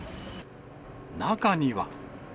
中には。